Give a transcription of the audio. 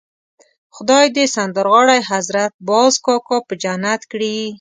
خدای دې سندرغاړی حضرت باز کاکا په جنت کړي.